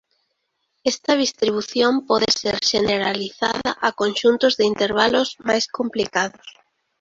Esta distribución pode ser xeneralizada a conxuntos de intervalos máis complicados.